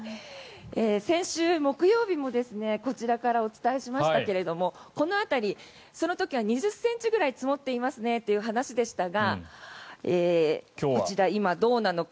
先週木曜日もこちらからお伝えしましたけれどもこの辺り、その時は２０ｃｍくらい積もっていますねという話でしたがこちら、今、どうなのか。